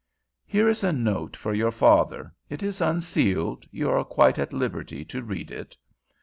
"Here is a note for your father. It is unsealed. You are quite at liberty to read it."